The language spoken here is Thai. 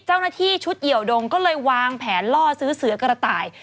เจ้าหน้าที่ชุดเหี่ยวดงก็เลยวางแผนล่อซื้อเสือกระต่าย